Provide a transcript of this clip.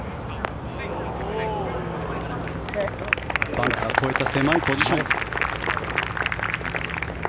バンカー越えた狭いポジション。